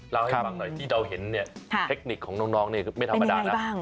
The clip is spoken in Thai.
เล่าให้ฟังหน่อยที่เราเห็นเนี่ยเทคนิคของน้องนี่คือไม่ธรรมดานะ